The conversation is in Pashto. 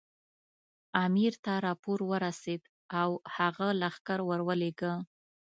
امیر ته راپور ورسېد او هغه لښکر ورولېږه.